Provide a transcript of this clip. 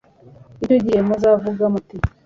Icyo gihe muzavuga muti